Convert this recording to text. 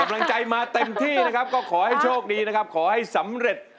กำลังใจมาเต็มที่ขอให้โชคดีขอให้สำเร็จ